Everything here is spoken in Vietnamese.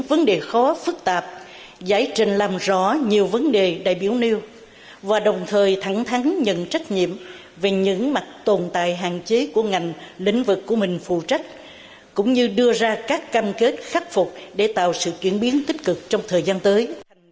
những vấn đề khó phức tạp giải trình làm rõ nhiều vấn đề đại biểu nêu và đồng thời thẳng thắng nhận trách nhiệm về những mặt tồn tại hạn chế của ngành lĩnh vực của mình phụ trách cũng như đưa ra các cam kết khắc phục để tạo sự chuyển biến tích cực trong thời gian tới